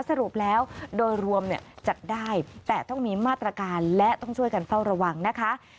สรุปแล้วโดยรวมจัดได้แต่ต้องมีมาตรการและต้องช่วยกันเฝ้าระวังนะคะ